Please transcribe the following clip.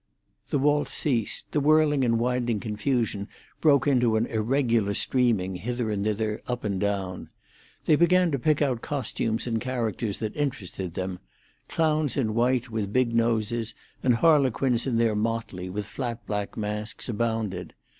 The waltz ceased; the whirling and winding confusion broke into an irregular streaming hither and thither, up and down. They began to pick out costumes and characters that interested them. Clowns in white, with big noses, and harlequins in their motley, with flat black masks, abounded.